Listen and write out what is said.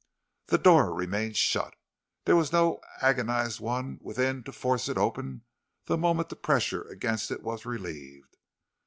The door remained shut; there was no agonized one within to force it open the moment the pressure against it was relieved.